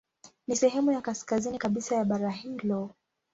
Ni sehemu ya kaskazini kabisa ya bara hilo.